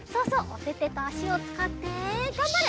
おててとあしをつかってがんばれ！